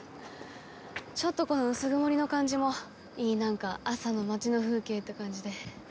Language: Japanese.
ちょっとこの薄曇りの感じもいい、なんか朝の町の風景って感じで。